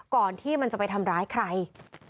ก่อนที่มันจะไปทำร้ายใคร